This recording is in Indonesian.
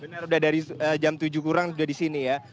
benar udah dari jam tujuh kurang udah di sini ya